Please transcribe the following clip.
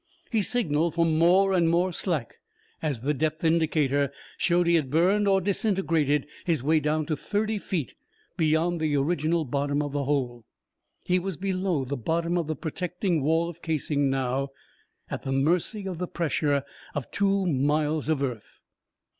He signaled for more and more slack as the depth indicator showed he had burned, or disintegrated, his way down to thirty feet beyond the original bottom of the hole. He was below the bottom of the protecting wall of casing now at the mercy of the pressure of two miles of earth.